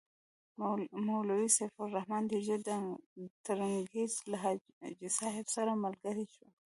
مولوي سیف الرحمن ډېر ژر د ترنګزیو له حاجي صاحب سره ملګری شو.